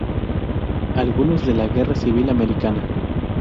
Algunos de la Guerra Civil Americana.